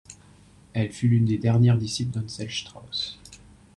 Elle fut l'une des dernières disciples d'Anselm Strauss.